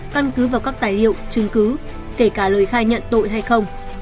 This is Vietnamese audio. căn cứ vào các tài liệu chứng cứ kể cả lời khai nhận tội hay không